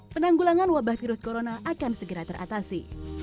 penanggulangan wabah virus corona akan segera teratasi